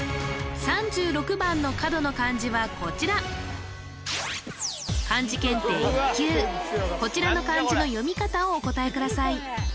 ３６番の角の漢字はこちらこちらの漢字の読み方をお答えください